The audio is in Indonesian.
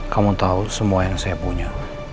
kamu tahu semua yang saya punya